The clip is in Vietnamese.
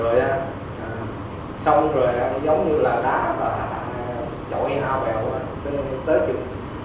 rồi xong rồi giống như là đá và chọi hào vào tế chụp